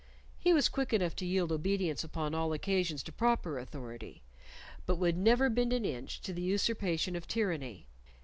He was quick enough to yield obedience upon all occasions to proper authority, but would never bend an inch to the usurpation of tyranny.